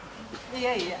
いやいや。